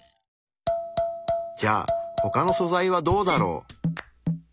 じゃあ他の素材はどうだろう？